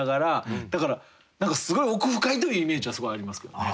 だからすごい奥深いというイメージはすごいありますけどね。